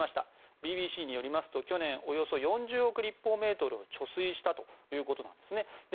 ＢＢＣによりますと去年およそ４０億立方メートルを貯水したということなんです。